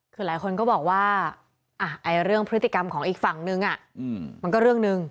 คือหลายคนก็บอกว่าเรื่องพฤติกรรมของอีกฝั่งนึงมันก็เรื่องหนึ่ง